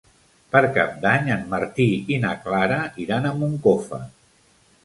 Per Cap d'Any en Martí i na Clara iran a Moncofa.